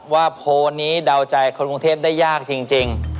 โพสต์นี้เดาใจคนกรุงเทพได้ยากจริง